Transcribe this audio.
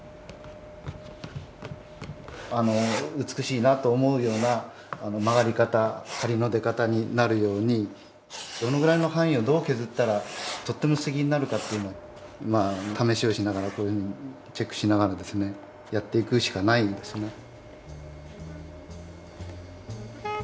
美しいなと思うような曲がり方張りの出方になるようにどのぐらいの範囲をどう削ったらとってもすてきになるかっていうのを試しをしながらこういうふうにチェックしながらですねやっていくしかないんですね。